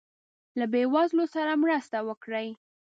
له یی وزلو سره مرسته وکړي